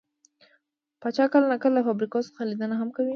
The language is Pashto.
پاچا کله نا کله له فابريکو څخه ليدنه هم کوي .